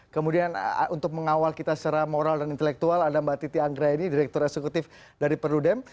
kemudian untuk mengawal kita secara moral dan intelektual ada mbak titi anggraini direktur eksekutif dari perludem